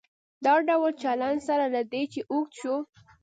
دا ډول چلن سره له دې چې اوږد شو.